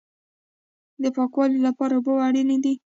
د پاکوالي لپاره اوبه اړین دي